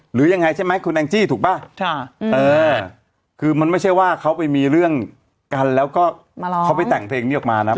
หรือยังไงใช่ไหมคุณแองจี้ถูกป่ะคือมันไม่ใช่ว่าเขาไปมีเรื่องกันแล้วก็เขาไปแต่งเพลงนี้ออกมานะ